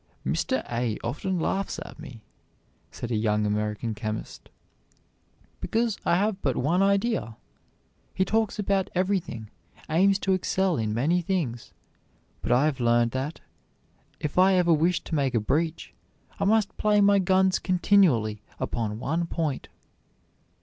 "Mr. A. often laughs at me," said a young American chemist, "because I have but one idea. He talks about everything, aims to excel in many things; but I have learned that, if I ever wish to make a breach, I must play my guns continually upon one point."